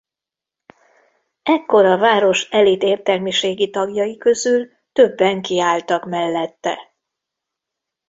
Ekkor a város elit értelmiségi tagjai közül többen kiálltak mellette.